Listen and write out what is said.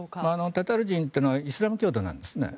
タタール人というのはイスラム教徒なんですね。